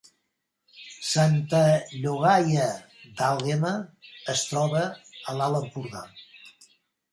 Santa Llogaia d’Àlguema es troba a l’Alt Empordà